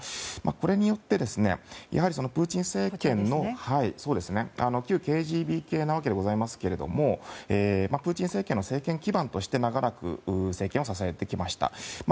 これによってプーチン政権の旧ＫＧＢ系なわけでございますがプーチン政権の政権基盤として長らく政権を支えてきました。